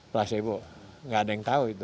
placebo nggak ada yang tahu itu